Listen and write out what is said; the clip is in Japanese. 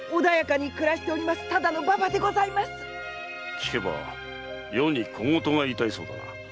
聞けば余に小言が言いたいそうだな。